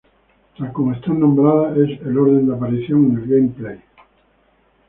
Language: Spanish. Tal como están nombradas, es el orden de aparición en el gameplay.